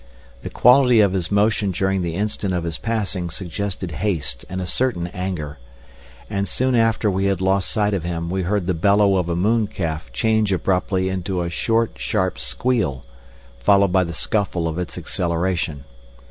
The quality of his motion during the instant of his passing suggested haste and a certain anger, and soon after we had lost sight of him we heard the bellow of a mooncalf change abruptly into a short, sharp squeal followed by the scuffle of its acceleration.